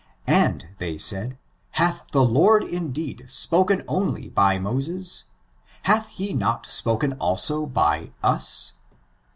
And they said, hath the Lord indeed spoken onli/ by Moses? hath he not spoken also by us?